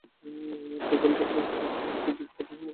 Propyl tetra হ্যালাইডকে জিংকসহ পাতন করলে propyne উৎপন্ন হয়।